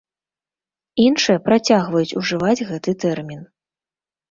Іншыя працягваюць ужываць гэты тэрмін.